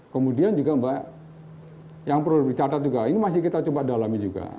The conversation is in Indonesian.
kemudian juga mbak yang perlu dicatat juga ini masih kita coba dalami juga